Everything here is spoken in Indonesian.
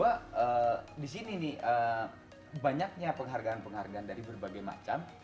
karena disini nih banyaknya penghargaan penghargaan dari berbagai macam